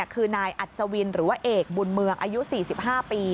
คือนายอัศวินหรือว่าเอกบุญเมืองอายุ๔๕ปี